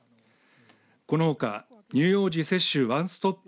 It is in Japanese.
このほか乳幼児接種ワンストップ